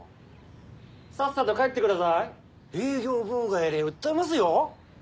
さっさと帰ってください営業妨害で訴えますよ？